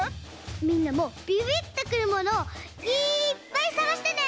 みんなもビビビッとくるものをいっぱいさがしてね！